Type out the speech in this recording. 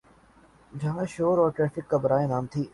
جہاں شور اور ٹریفک برائے نام تھی۔